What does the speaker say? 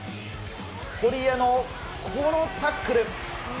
堀江のこのタックル。